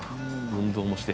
運動もして」